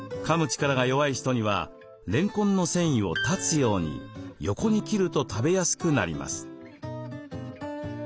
力が弱い人にはれんこんの繊維を断つように横に切ると食べやすくなります。